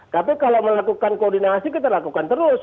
tapi kalau melakukan koordinasi kita lakukan terus